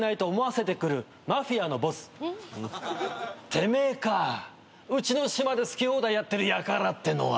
てめえかうちの島で好き放題やってるやからってのは。